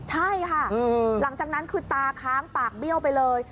ใช่ค่ะหลังจากนั้นคือตาค้างปากเบี้ยวไปเลย